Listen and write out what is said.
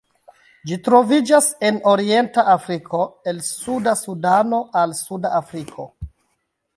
Ĝi troviĝas en orienta Afriko el suda Sudano al Sudafriko.